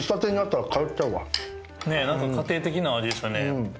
なんか家庭的な味でしたね。